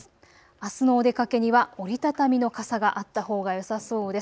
あすのお出かけには折り畳みの傘があったほうがよさそうです。